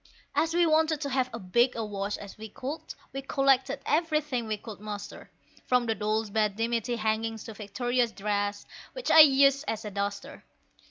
As we wanted to have as big a wash as we could, we collected everything we could muster, From the dolls' bed dimity hangings to Victoria's dress, which I'd used as a duster.